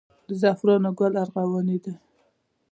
د زعفرانو ګل ارغواني دی